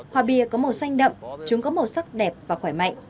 hoa bia có màu xanh đậm chúng có màu sắc đẹp và khỏe mạnh